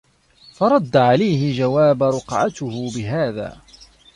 فَرَدَّ عَلَيْهِ جَوَابَ رُقْعَتُهُ بِهَذَا